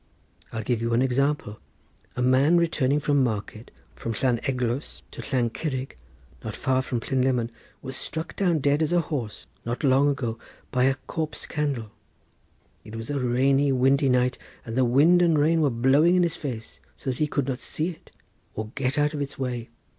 I'll give you an example: A man returning from market from Llan Eglos to Llan Curig, not far from Plynlimmon, was struck down dead as a horse not long ago by a corpse candle. It was a rainy, windy night, and the wind and rain were blowing in his face, so that he could not see it, or get out of its way.